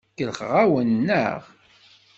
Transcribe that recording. Kellxeɣ-awen, naɣ?